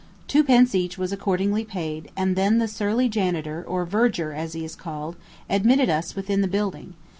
Two pence each was accordingly paid, and then the surly janitor, or verger, as he is called, admitted us within the building.